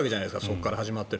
そこから始まって。